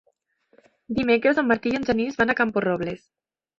Dimecres en Martí i en Genís van a Camporrobles.